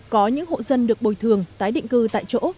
có những hộ dân được bồi thường tái định cư tại chỗ